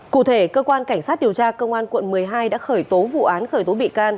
cụ thể cơ quan cảnh sát điều tra công an quận một mươi hai đã khởi tố vụ án khởi tố bị can